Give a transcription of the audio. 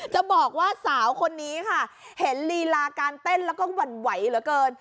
จะบอกว่าสาวคนนี้ค่ะเห็นลีลาการเต้นแล้วก็หวั่นไหวเหลือเกิน